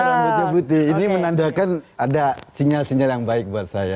karena rambutnya putih ini menandakan ada sinyal sinyal yang baik buat saya